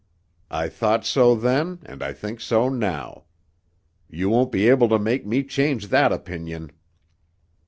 I thought so then and I think so now. You won't be able to make me change that opinion."